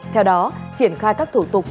theo đó triển khai các thủ tục